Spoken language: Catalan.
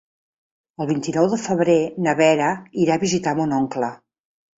El vint-i-nou de febrer na Vera irà a visitar mon oncle.